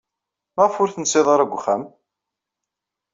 Maɣef ur tensid ara deg uxxam?